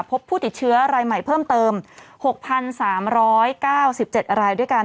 พบผู้ติดเชื้อรายใหม่เพิ่มเติม๖๓๙๗รายด้วยกัน